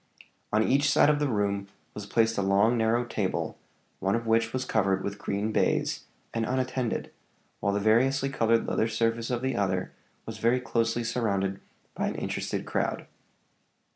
On each side of the room was placed a long, narrow table, one of which was covered with green baize, and unattended, while the variously colored leather surface of the other was very closely surrounded by an interested crowd.